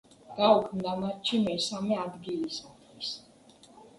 გაუქმდა მატჩი მესამე ადგილისათვის.